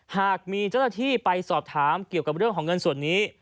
หากมีเจ้าหน้าที่ไปสอบถามเกี่ยวกับเรื่องของเงินส่วนนี้